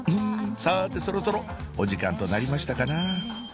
さてそろそろお時間となりましたかな